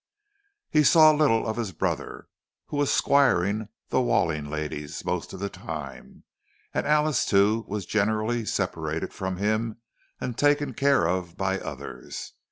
He saw little of his brother, who was squiring the Walling ladies most of the time; and Alice, too, was generally separated from him and taken care of by others.